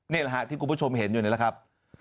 นี่แหละฮะที่คุณผู้ชมเห็นอยู่นี่แหละครับ